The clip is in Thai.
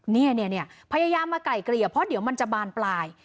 เนี่ยพยายามมาไกลเกลี่ยเพราะเดี๋ยวมันจะบานปลาย